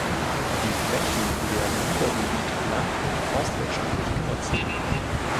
Die Flächen werden überwiegend land- und forstwirtschaftlich genutzt.